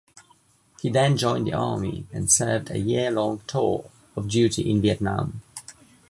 He then joined the army and served a year-long tour of duty in Vietnam.